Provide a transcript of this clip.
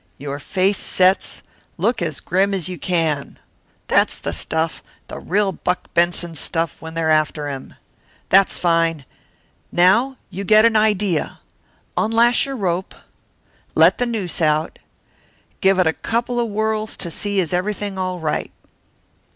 Your face sets look as grim as you can. That's the stuff the real Buck Benson stuff when they're after him. That's fine. Now you get an idea. Unlash your rope, let the noose out, give it a couple of whirls to see is everything all right.